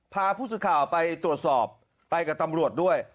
พาผู้สื่อข่าวไปตรวจสอบไปกับตำรวจด้วย